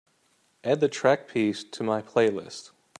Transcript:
Add the track peace to my playlist